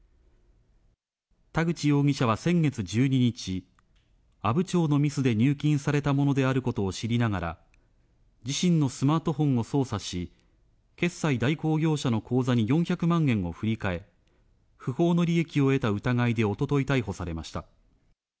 田口容疑者は先月１２日、阿武町のミスで入金されたものであることを知りながら、自身のスマートフォンを操作し、決済代行業者の口座に４００万円を振り替え、不法の利益を得た疑いでおととい逮捕されました。